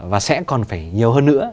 và sẽ còn phải nhiều hơn nữa